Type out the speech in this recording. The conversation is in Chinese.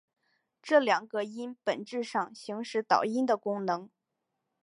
这两个音本质上行使导音的功能。